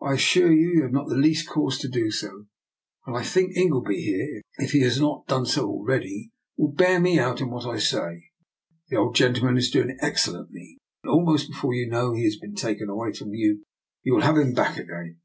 I assure you, you have not the least cause to do so; and I think Ingleby here, if he has not done so already, will bear me out in what I say. The old gentleman is doing excellently, and almost before you know he has been taken away from you, you will have him back again."